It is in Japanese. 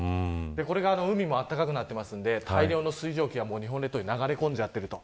これは海も暖かくなっていますので大量の水蒸気が日本列島に流れ込んじゃっていると。